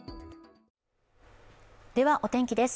ではお天気です。